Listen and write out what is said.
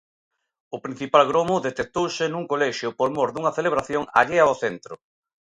O principal gromo detectouse nun colexio por mor dunha celebración allea ao centro.